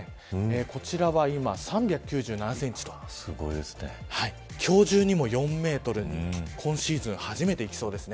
こちらは今、３９７センチと今日中にも４メートルに今シーズン初めていきそうですね。